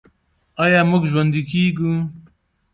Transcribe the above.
آیا موږ ژوندي کیږو؟